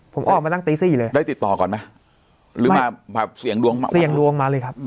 ผมออกมาตั้งตีสี่เลยได้ติดต่อก่อนไหมหรือมาแบบเสี่ยงดวงมาเสี่ยงดวงมาเลยครับ